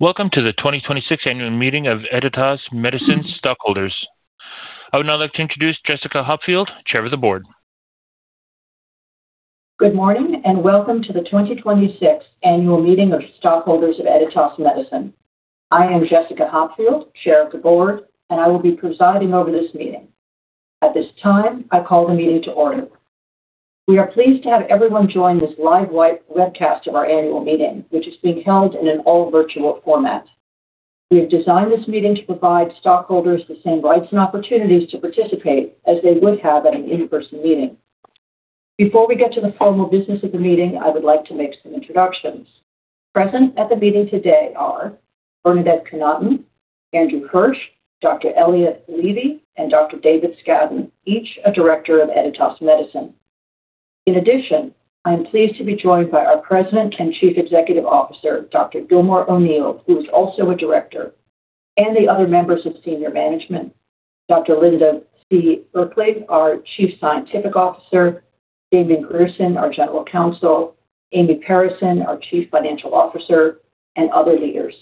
Welcome to the 2026 Annual Meeting of Editas Medicine stockholders. I would now like to introduce Jessica Hopfield, Chair of the Board. Good morning. Welcome to the 2026 Annual Meeting of Stockholders of Editas Medicine. I am Jessica Hopfield, Chair of the Board, and I will be presiding over this meeting. At this time, I call the meeting to order. We are pleased to have everyone join this live webcast of our annual meeting, which is being held in an all-virtual format. We have designed this meeting to provide stockholders the same rights and opportunities to participate as they would have at an in-person meeting. Before we get to the formal business of the meeting, I would like to make some introductions. Present at the meeting today are Bernadette Connaughton, Andrew Hirsch, Dr. Elliott Levy, and Dr. David Scadden, each a director of Editas Medicine. In addition, I am pleased to be joined by our President and Chief Executive Officer, Dr. Gilmore O'Neill, who is also a director, and the other members of senior management, Dr. Linda C. Burkly, our Chief Scientific Officer, Damien Grierson, our General Counsel, Amy Parison, our Chief Financial Officer, and other leaders.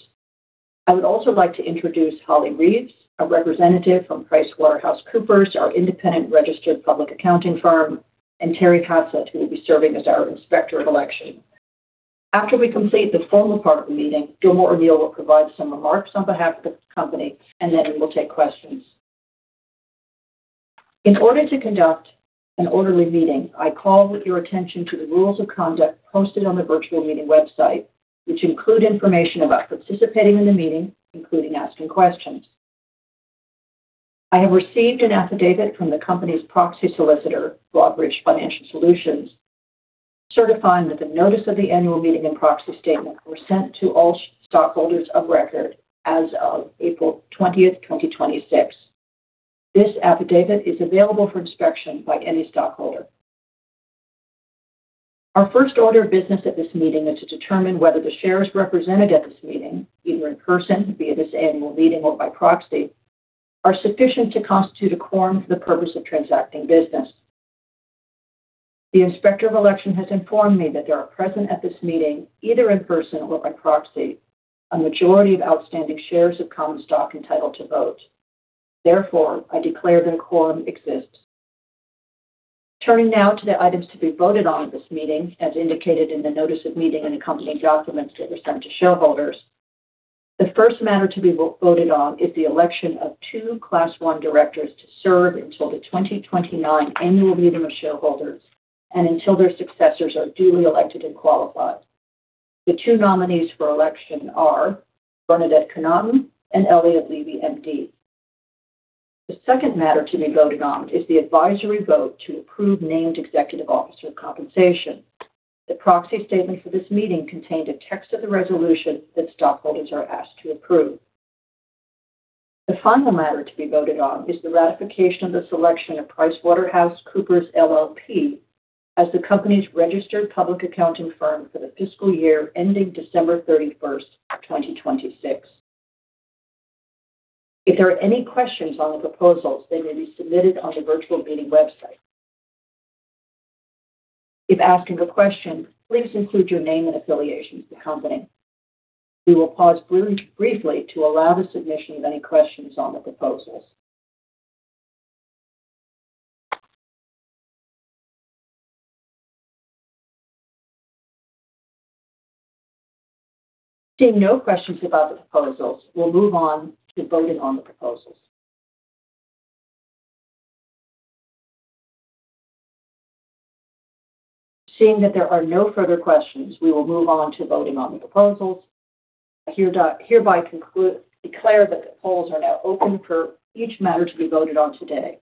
I would also like to introduce Holly Reeves, a representative from PricewaterhouseCoopers, our independent registered public accounting firm, and Terry Cassett, who will be serving as our Inspector of Election. After we complete the formal part of the meeting, Gilmore O'Neill will provide some remarks on behalf of the company. Then we will take questions. In order to conduct an orderly meeting, I call your attention to the rules of conduct posted on the virtual meeting website, which include information about participating in the meeting, including asking questions. I have received an affidavit from the company's proxy solicitor, Broadridge Financial Solutions, certifying that the notice of the annual meeting and proxy statement were sent to all stockholders of record as of April 20th, 2026. This affidavit is available for inspection by any stockholder. Our first order of business at this meeting is to determine whether the shares represented at this meeting, either in person, via this annual meeting, or by proxy, are sufficient to constitute a quorum for the purpose of transacting business. The Inspector of Election has informed me that there are present at this meeting, either in person or by proxy, a majority of outstanding shares of common stock entitled to vote. I declare that a quorum exists. Turning now to the items to be voted on at this meeting, as indicated in the notice of meeting and accompanying documents that were sent to shareholders. The first matter to be voted on is the election of two Class I directors to serve until the 2029 annual meeting of shareholders and until their successors are duly elected and qualified. The two nominees for election are Bernadette Connaughton and Elliott Levy, MD. The second matter to be voted on is the advisory vote to approve named executive officer compensation. The proxy statement for this meeting contained a text of the resolution that stockholders are asked to approve. The final matter to be voted on is the ratification of the selection of PricewaterhouseCoopers, LLP as the company's registered public accounting firm for the fiscal year ending December 31st, 2026. If there are any questions on the proposals, they may be submitted on the virtual meeting website. If asking a question, please include your name and affiliation with the company. We will pause briefly to allow the submission of any questions on the proposals. Seeing no questions about the proposals, we'll move on to voting on the proposals. Seeing that there are no further questions, we will move on to voting on the proposals. I hereby declare that the polls are now open for each matter to be voted on today.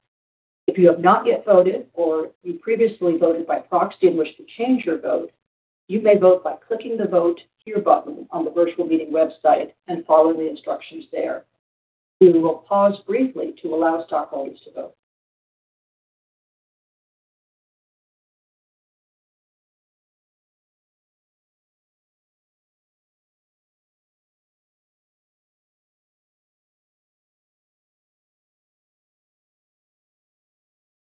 If you have not yet voted or you previously voted by proxy and wish to change your vote, you may vote by clicking the "Vote Here" button on the virtual meeting website and follow the instructions there. We will pause briefly to allow stockholders to vote.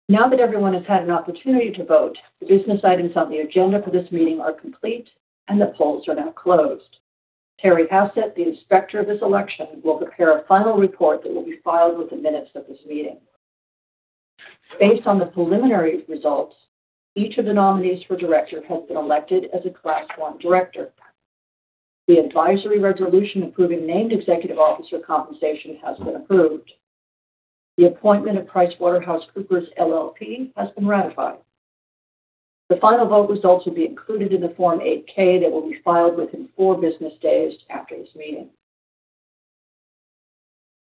Now that everyone has had an opportunity to vote, the business items on the agenda for this meeting are complete, and the polls are now closed. Terry Cassett, the Inspector of this election, will prepare a final report that will be filed with the minutes of this meeting. Based on the preliminary results, each of the nominees for director has been elected as a Class I director. The advisory resolution approving named executive officer compensation has been approved. The appointment of PricewaterhouseCoopers, LLP has been ratified. The final vote results will be included in the Form 8-K that will be filed within four business days after this meeting.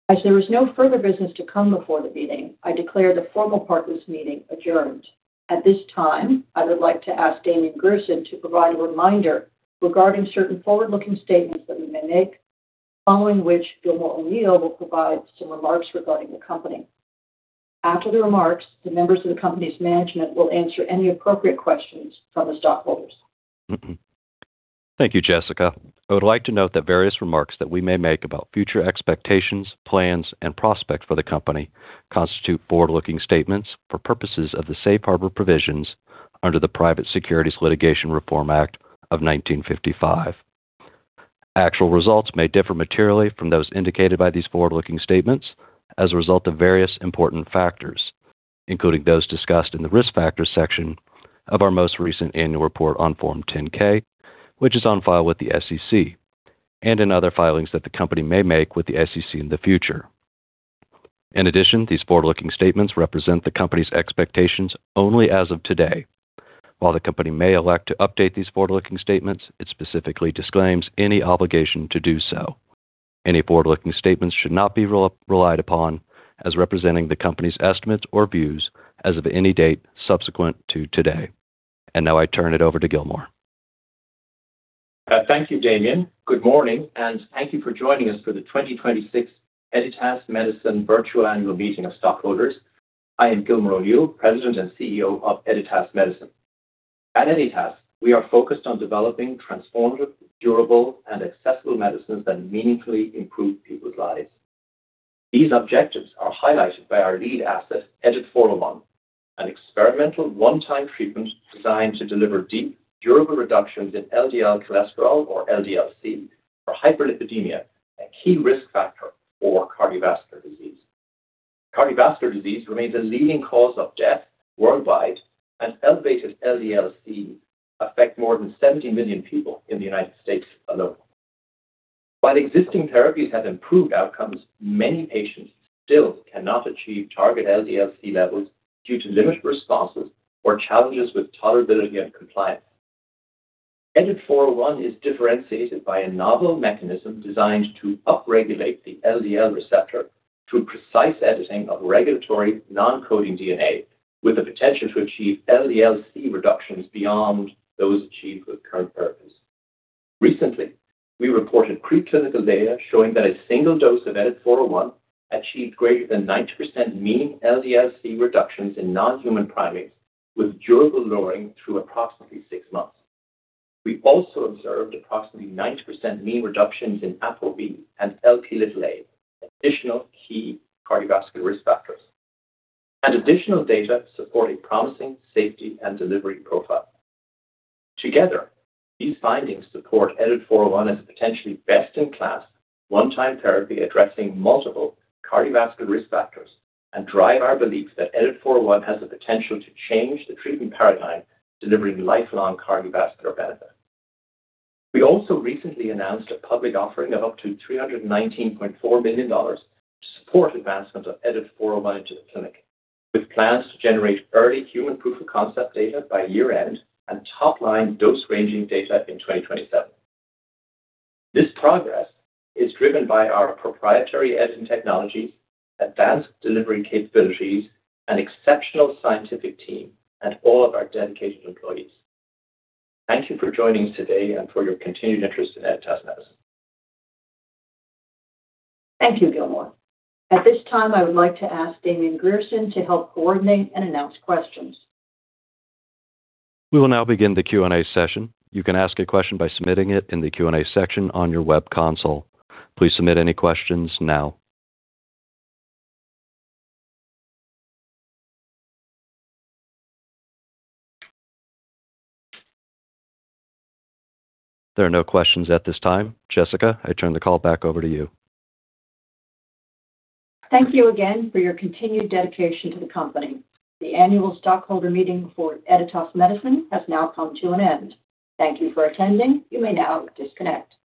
As there is no further business to come before the meeting, I declare the formal part of this meeting adjourned. At this time, I would like to ask Damien Grierson to provide a reminder regarding certain forward-looking statements that we may make, following which Gilmore O'Neill will provide some remarks regarding the company. After the remarks, the members of the company's management will answer any appropriate questions from the stockholders. Thank you, Jessica. I would like to note that various remarks that we may make about future expectations, plans, and prospects for the company constitute forward-looking statements for purposes of the safe harbor provisions under the Private Securities Litigation Reform Act of 1995. Actual results may differ materially from those indicated by these forward-looking statements as a result of various important factors, including those discussed in the Risk Factors section of our most recent annual report on Form 10-K, which is on file with the SEC and in other filings that the company may make with the SEC in the future. In addition, these forward-looking statements represent the company's expectations only as of today. While the company may elect to update these forward-looking statements, it specifically disclaims any obligation to do so. Any forward-looking statements should not be relied upon as representing the company's estimates or views as of any date subsequent to today. Now I turn it over to Gilmore. Thank you, Damien. Good morning, and thank you for joining us for the 2026 Editas Medicine virtual Annual Meeting of Stockholders. I am Gilmore O'Neill, President and CEO of Editas Medicine. At Editas, we are focused on developing transformative, durable, and accessible medicines that meaningfully improve people's lives. These objectives are highlighted by our lead asset, EDIT-401, an experimental one-time treatment designed to deliver deep, durable reductions in LDL cholesterol, or LDL-C, for hyperlipidemia, a key risk factor for cardiovascular disease. Cardiovascular disease remains a leading cause of death worldwide, and elevated LDL-C affects more than 70 million people in the United States alone. While existing therapies have improved outcomes, many patients still cannot achieve target LDL-C levels due to limited responses or challenges with tolerability and compliance. EDIT-401 is differentiated by a novel mechanism designed to upregulate the LDL receptor through precise editing of regulatory non-coding DNA with the potential to achieve LDL-C reductions beyond those achieved with current therapies. Recently, we reported preclinical data showing that a single dose of EDIT-401 achieved greater than 90% mean LDL-C reductions in non-human primates with durable lowering through approximately six months. We also observed approximately 90% mean reductions in ApoB and Lp(a), additional key cardiovascular risk factors. Additional data support a promising safety and delivery profile. Together, these findings support EDIT-401 as a potentially best-in-class, one-time therapy addressing multiple cardiovascular risk factors and drive our beliefs that EDIT-401 has the potential to change the treatment paradigm, delivering lifelong cardiovascular benefit. We also recently announced a public offering of up to $319.4 million to support advancement of EDIT-401 into the clinic, with plans to generate early human proof-of-concept data by year-end and top-line dose ranging data in 2027. This progress is driven by our proprietary editing technologies, advanced delivery capabilities, an exceptional scientific team, and all of our dedicated employees. Thank you for joining us today and for your continued interest in Editas Medicine. Thank you, Gilmore. At this time, I would like to ask Damien Grierson to help coordinate and announce questions. We will now begin the Q&A session. You can ask a question by submitting it in the Q&A section on your web console. Please submit any questions now. There are no questions at this time. Jessica, I turn the call back over to you. Thank you again for your continued dedication to the company. The annual stockholder meeting for Editas Medicine has now come to an end. Thank you for attending. You may now disconnect.